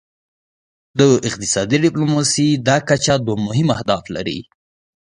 د اقتصادي ډیپلوماسي دا کچه دوه مهم اهداف لري